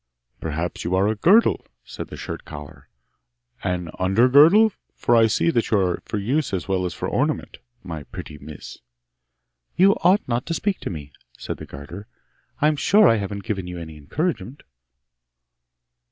'Perhaps you are a girdle?' said the shirt collar, 'an under girdle? for I see that you are for use as well as for ornament, my pretty miss!' 'You ought not to speak to me!' said the garter' 'I'm sure I haven't given you any encouragement!